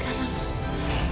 aku takut ketahuan lagi